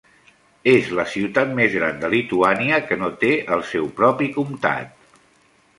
És la ciutat més gran de Lituània que no té el seu propi comtat.